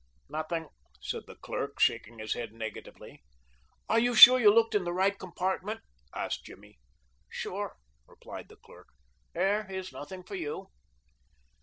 "Nothing," said the clerk, shaking his head negatively. "Are you sure you looked in the right compartment?" asked Jimmy. "Sure," replied the clerk. "There is nothing for you."